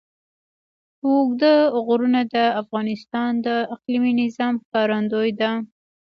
اوږده غرونه د افغانستان د اقلیمي نظام ښکارندوی ده.